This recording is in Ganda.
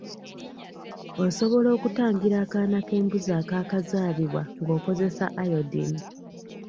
Osobola okutangira akaana k'embuzi akaakazaalibwa ng'okozesa iodine.